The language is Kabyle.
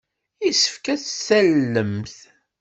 Yessefk ad tt-tallemt.